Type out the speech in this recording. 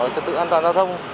trật tự an toàn giao thông